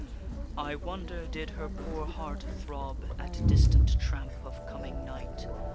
I wonder did her poor heart throb At distant tramp of coming knight?